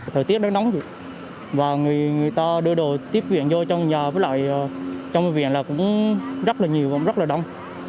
thời tiết đang nóng và người ta đưa đồ tiếp viện vô trong nhà trong bệnh viện cũng rất là nhiều rất là đông